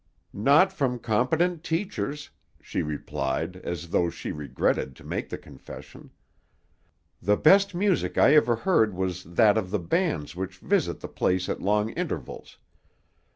"Not from competent teachers," she replied, as though she regretted to make the confession. "The best music I ever heard was that of the bands which visit the place at long intervals.